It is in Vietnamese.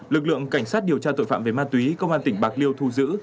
lực lượng cảnh sát điều tra tội phạm về ma túy công an tỉnh bạc liêu thu giữ